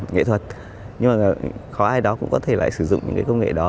nghệ thuật nhưng mà có ai đó cũng có thể lại sử dụng những công nghệ đó